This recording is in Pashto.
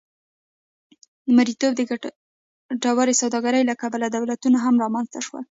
د مریتوب د ګټورې سوداګرۍ له کبله دولتونه هم رامنځته شول.